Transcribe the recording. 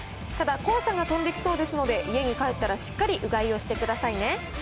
ただ、黄砂が飛んできそうですので、家に帰ったらしっかりうがいをしてくださいね。